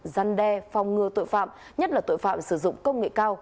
giăn đe phòng ngừa tội phạm nhất là tội phạm sử dụng công nghệ cao